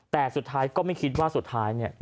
แต่สุดท้ายก็ไม่คิดว่าสุดท้ายเนี่ย